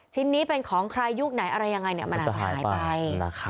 ชิ้นนี้เป็นของใครยุคไหนอะไรยังไงมันอาจจะหายไป